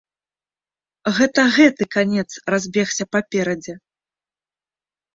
Гэта гэты канец разбегся паперадзе.